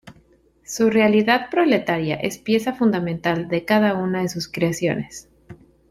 Su realidad proletaria es pieza fundamental de cada una de sus creaciones.